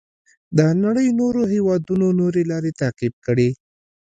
د نړۍ نورو هېوادونو نورې لارې تعقیب کړې.